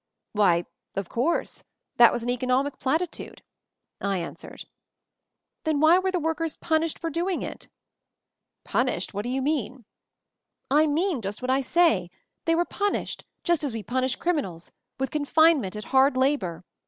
"Why, of course; that was an economic platitude," I answered. "Then why were the workers punished for doing it?" "Punished? What do you mean?" "I mean just what I say. They were pun ished, just as we punish criminals — with confinement at hard labor.